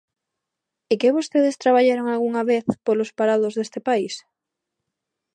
¿É que vostedes traballaron algunha vez polos parados deste país?